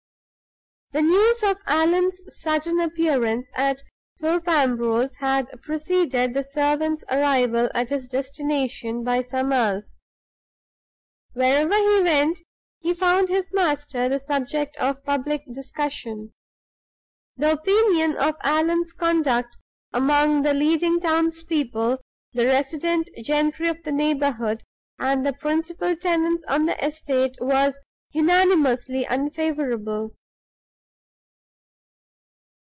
The news of Allan's sudden appearance at Thorpe Ambrose had preceded the servant's arrival at his destination by some hours. Wherever he went, he found his master the subject of public discussion. The opinion of Allan's conduct among the leading townspeople, the resident gentry of the neighborhood, and the principal tenants on the estate was unanimously unfavorable.